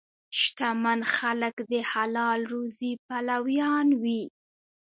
شتمن خلک د حلال روزي پلویان وي.